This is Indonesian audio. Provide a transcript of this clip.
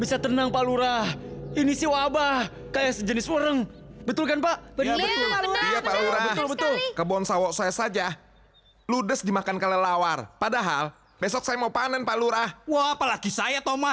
sampai jumpa di video selanjutnya